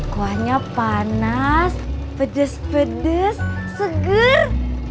kuahnya panas pedes pedes seger